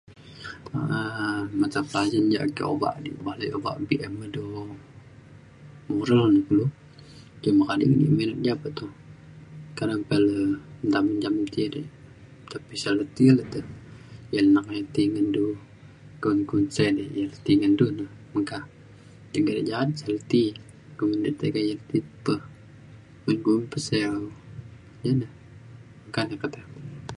um matapelajaran ja ake obak di bale obak BM ngan du moral ne kulu. ke mading [unintelligible] ja pe toh. kadang pe le nta menjam ji de tapi selalu ti le te yak [unintelligible] ti ngan du. kawan kun sek ti ngan du na meka. ti kerja seperti [unintelligible] ti pe ngan du pesew ja na meka pe te.